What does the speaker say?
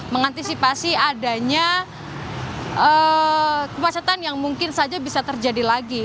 mengantisipasi adanya kemacetan yang mungkin saja bisa terjadi lagi